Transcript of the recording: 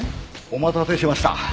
お待たせしました。